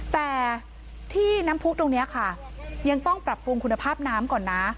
แต่ที่น้ำผู้ตรงนี้ค่ะยังต้องปรับปรุงคุณภาพน้ำก่อนนะ